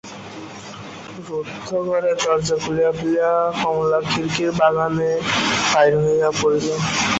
রুদ্ধঘরের দরজা খুলিয়া ফেলিয়া কমলা খিড়কির বাগানে বাহির হইয়া পড়িল।